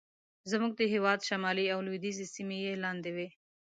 زموږ د هېواد شمالي او لوېدیځې سیمې یې لاندې وې.